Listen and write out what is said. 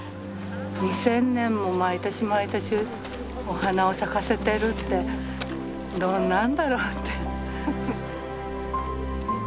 ２，０００年も毎年毎年お花を咲かせてるってどんなんだろうって。